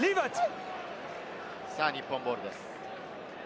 日本ボールです。